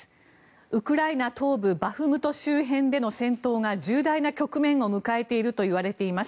ウクライナ東部バフムト周辺での戦闘が重大な局面を迎えているといわれています。